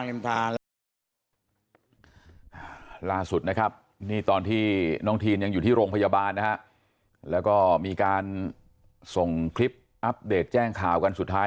ล่าสุดนะครับนี่ตอนที่น้องทีนยังอยู่ที่โรงพยาบาลนะฮะแล้วก็มีการส่งคลิปอัปเดตแจ้งข่าวกันสุดท้าย